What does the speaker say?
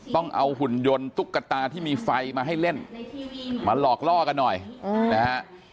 ต้องเอาหุ่นยนต์ตุ๊กตาที่มีไฟมาให้เล่นมาหลอกล่อกันหน่อยนะฮะ